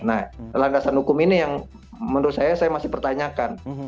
nah landasan hukum ini yang menurut saya saya masih pertanyakan